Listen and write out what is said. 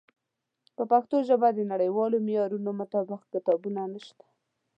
په پښتو ژبه د نړیوالو معیارونو مطابق کتابونه نشته.